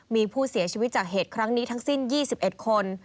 มีผู้เสียชีวิตจากเหตุครั้งนี้ทั้งสิ้น๒๑คน